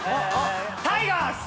タイガース！